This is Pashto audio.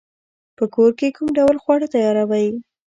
په کور کی کوم ډول خواړه تیاروئ؟